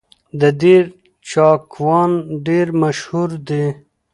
د دير چاکوان ډېر مشهور دي